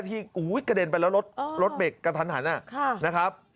ที่กระเด็นไปแล้วรถเบรกกระทันหันนะครับ